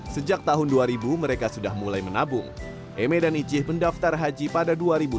sejak tahun dua ribu mereka sudah mulai menabung eme dan icih mendaftar haji pada dua ribu dua puluh